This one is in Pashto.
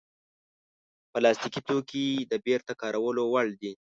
پلاستيکي توکي د بېرته کارولو وړ دي.